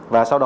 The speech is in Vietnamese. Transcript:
và sau đó